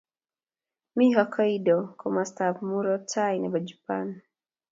mi Hokkaido komostab murot tai nebo Japan